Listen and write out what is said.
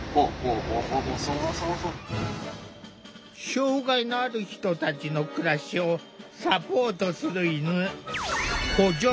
障害のある人たちの暮らしをサポートする犬「補助犬」だ。